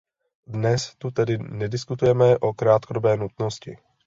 Dnes tu tedy nediskutujeme o krátkodobé nutnosti.